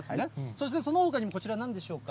そしてそのほかにもこちらなんでしょうか。